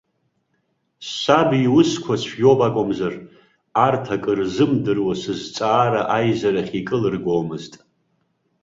Саб иусқәа цәгьоуп акәымзар, арҭ акы рзымдыруа сызҵаара аизарахь икылыргомызт.